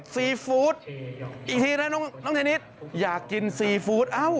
ซีฟู้ดอีกทีนะน้องเทนิสอยากกินซีฟู้ด